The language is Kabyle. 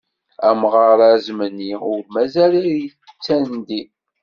Amɣar azemni ur mazal ad ittandi.